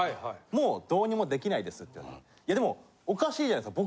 もうどうにもできないですって言われていやでもおかしいじゃないですか